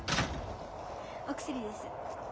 お薬です。